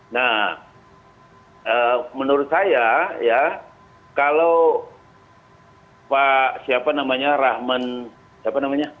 nah menurut saya ya kalau pak siapa namanya rahman apa namanya